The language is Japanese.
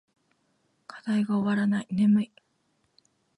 課題が終わらない。眠い。